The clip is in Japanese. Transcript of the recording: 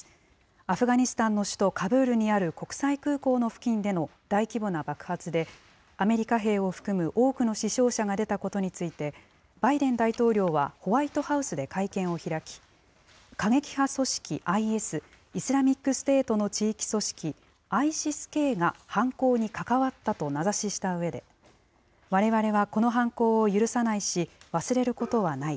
アフガニスタンの首都カブールにある国際空港の付近での大規模な爆発で、アメリカ兵を含む多くの死傷者が出たことについて、バイデン大統領はホワイトハウスで会見を開き、過激派組織ＩＳ・イスラミックステートの地域組織、アイシス・ケーが犯行に関わったと名指ししたうえで、われわれはこの犯行を許さないし、忘れることはない。